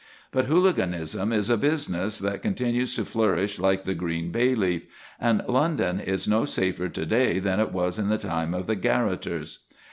But hooliganism is a business that continues to flourish like the green bay tree, and London is no safer to day than it was in the time of the garotters.